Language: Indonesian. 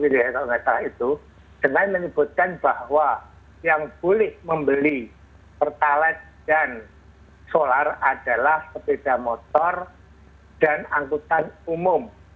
dengan menyebutkan bahwa yang boleh membeli pertalat dan solar adalah sepeda motor dan angkutan umum